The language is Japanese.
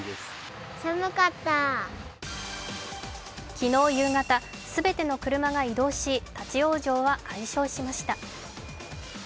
昨日夕方、全ての車が移動し、立往生は解消しました。